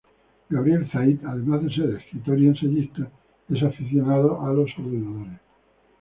Gabriel Zaid, además de ser escritor y ensayista, es aficionado a los ordenadores.